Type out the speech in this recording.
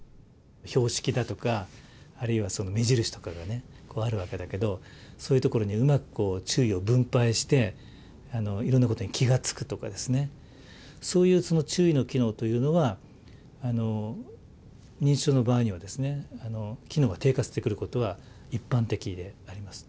標識だとかあるいはその目印とかがねあるわけだけどそういうところにうまく注意を分配していろんなことに気が付くとかそういうその注意の機能というのは認知症の場合には機能が低下してくることは一般的であります。